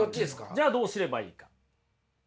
じゃあどうすればいいか。